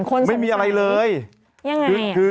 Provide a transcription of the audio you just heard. คนสำคัญที่ยังไงไม่มีอะไรเลย